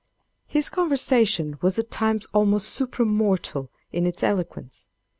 "His conversation was at times almost supramortal in its eloquence.